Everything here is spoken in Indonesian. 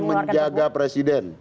kami menjaga presiden